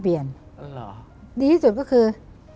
ดีที่ก็คือ